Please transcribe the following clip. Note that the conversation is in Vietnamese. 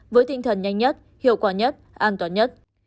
với tinh thần nhanh nhất hiệu quả nhất an toàn nhất